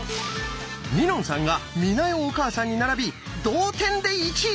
みのんさんが美奈代お母さんに並び同点で１位！